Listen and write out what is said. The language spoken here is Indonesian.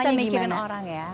bisa mikirin orang ya